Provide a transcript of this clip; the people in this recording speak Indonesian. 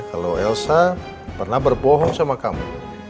kalau elsa pernah berbohong sama kamu